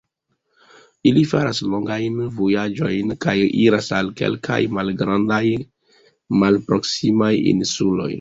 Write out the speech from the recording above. Ili faras longajn vojaĝojn kaj iras al kelkaj malgrandaj, malproksimaj insuloj.